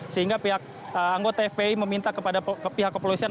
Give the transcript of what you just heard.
sehingga pihak anggota fpi meminta kepada pihak kepolisian